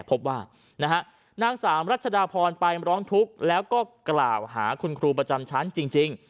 พบว่านะฮะนางสามรัชดาพรไปร้องทุกข์แล้วก็กล่าวหาคุณครูประจำชั้นจริง